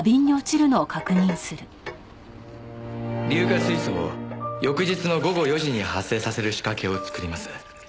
硫化水素を翌日の午後４時に発生させる仕掛けを作ります。